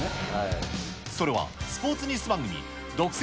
それはスポーツニュース番組、独占！